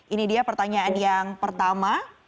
ini dia pertanyaan yang pertama